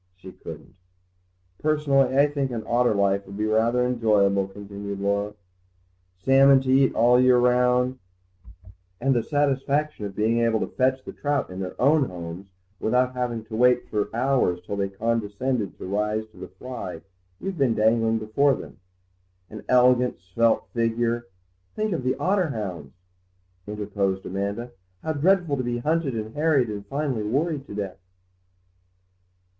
She couldn't. "Personally I think an otter life would be rather enjoyable," continued Laura; "salmon to eat all the year round, and the satisfaction of being able to fetch the trout in their own homes without having to wait for hours till they condescend to rise to the fly you've been dangling before them; and an elegant svelte figure—" "Think of the otter hounds," interposed Amanda; "how dreadful to be hunted and harried and finally worried to death!"